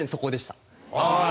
ああ。